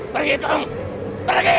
pergi kawan pergi